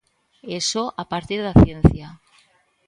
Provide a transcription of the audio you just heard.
E só a partir da ciencia.